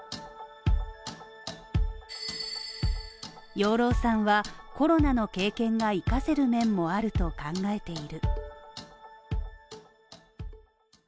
養老さんはコロナの経験が活かせる面もあると考えている。